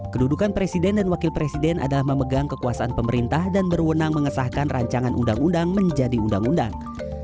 kedudukan presiden dan wakil presiden adalah memegang kekuasaan pemerintah dan berwenang mengesahkan rancangan undang undang menjadi undang undang